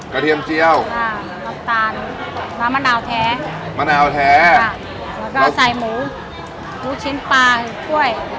กระเทียมเจียวครับละตาลแล้วมะนาวแท้มะนาวแท้ครับแล้วก็ใส่หมูหมูชิ้นปลาหือกล้วย